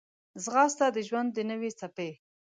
ځغاسته د ژوند د نوې څپې